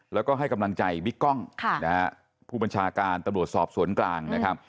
แล้วก็ให้กำลังใจบิ๊กกล้องผู้บัญชาการตำรวจสอบสวนกลางนะครับ